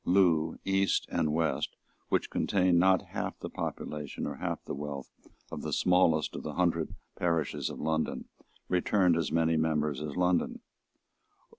Looe, East and West, which contained not half the population or half the wealth of the smallest of the hundred parishes of London, returned as many members as London.